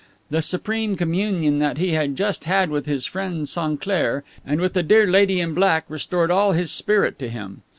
The supreme communion that he had just had with his friend Sainclair and with the dear Lady in Black restored all his spirit to him.